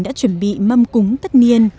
đã chuẩn bị mâm cúng tết niên